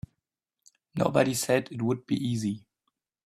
Nobody said it would be easy.